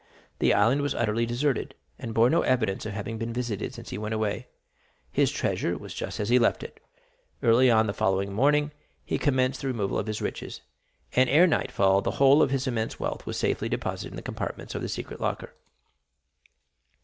The island was utterly deserted, and bore no evidence of having been visited since he went away; his treasure was just as he had left it. Early on the following morning he commenced the removal of his riches, and ere nightfall the whole of his immense wealth was safely deposited in the compartments of the secret locker.